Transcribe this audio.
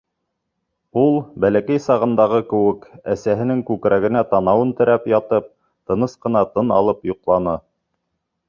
Ул, бәләкәй сағындағы кеүек, әсәһенең күкрәгенә танауын терәп ятып, тыныс ҡына тын алып йоҡланы.